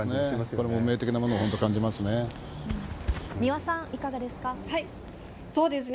これも運命的なものを本当、感じますね。